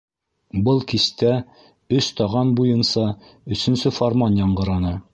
Был кистә «Өс таған» буйынса өсөнсө фарман яңғыраны: